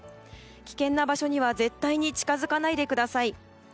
危険な場所には絶対に近づかないでください。